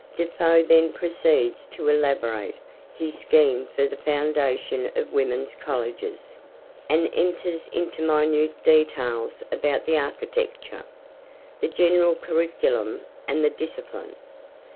Defoe then proceeds to elaborate his scheme for the foundation of women's colleges, and enters into minute details about the architecture, the general curriculum, and the discipline.